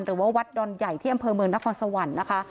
หรือว่าวัดดอนใหญ่ที่อำเภอเมืองนครสวรรค์นะคะ